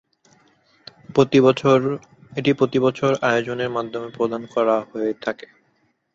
এটি প্রতি বছর আয়োজনের মাধ্যমে প্রদান করা হয়ে থাকে।